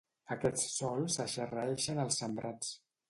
Aquests sols eixarreeixen els sembrats.